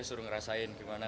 suruh ngerasain gimana